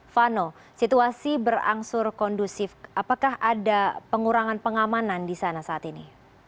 vano situasi berangsur kondusif apakah ada pengurangan pengamanan di sana saat ini